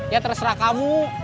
ya terserah kamu